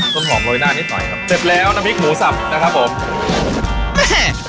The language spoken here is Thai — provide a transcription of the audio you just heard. ต้นหอมโรยหน้านิดหน่อยครับเสร็จแล้วน้ำพริกหมูสับนะครับผมแม่